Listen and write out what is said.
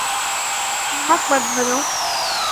احمق مت بنو